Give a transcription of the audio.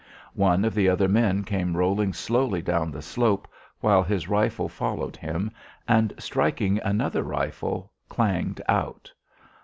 One of the other men came rolling slowly down the slope, while his rifle followed him, and, striking another rifle, clanged out.